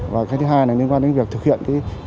và cái thứ hai là liên quan đến việc thực hiện